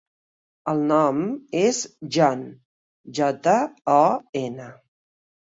El nom és Jon: jota, o, ena.